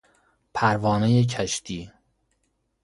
پروانه کشتی